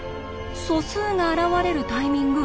素数が現れるタイミング